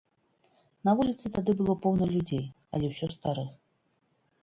На вуліцы тады было поўна людзей, але ўсё старых.